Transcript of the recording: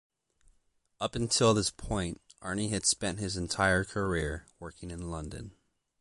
Up until this point Arne had spent his entire career working in London.